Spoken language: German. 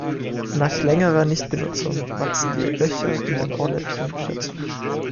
Nach längerer Nichtbenutzung wachsen die Löcher in den Ohrläppchen wieder zu.